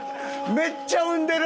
めっちゃ産んでる！